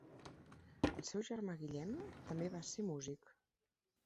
El seu germà Guillem també va ser músic.